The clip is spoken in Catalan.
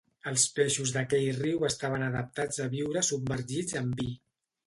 Els peixos d'aquell riu estaven adaptats a viure submergits en vi.